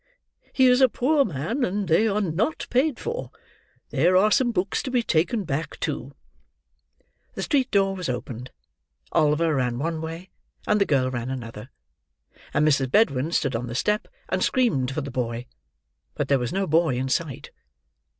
He is a poor man, and they are not paid for. There are some books to be taken back, too." The street door was opened. Oliver ran one way; and the girl ran another; and Mrs. Bedwin stood on the step and screamed for the boy; but there was no boy in sight.